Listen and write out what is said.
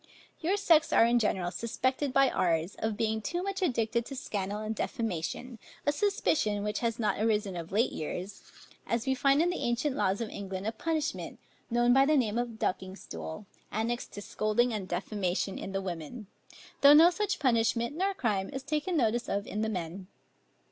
Your sex are in general suspected by ours, of being too much addicted to scandal and defamation; a suspicion, which has not arisen of late years, as we find in the ancient laws of England a punishment, known by the name of ducking stool, annexed to scolding and defamation in the women, though no such punishment nor crime is taken notice of in the men.